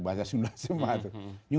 bahasa sunda semua itu